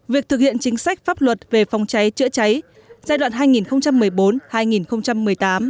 việc thực hiện chính sách pháp luật về phòng cháy chữa cháy giai đoạn hai nghìn một mươi bốn hai nghìn một mươi tám